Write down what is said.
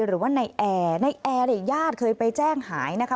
หรือว่านายแอร์นายแอร์เลยญาติเคยไปแจ้งหายนะคะ